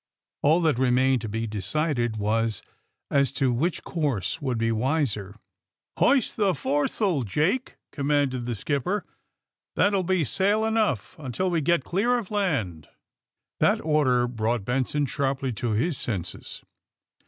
All that remained to be decided was as to which course would be wiser. ^^ Hoist that foresail, Jake," commanded the skipper. ^ ^That'll be sail enough until we get clear of land." That order brought Benson sharply to his senses.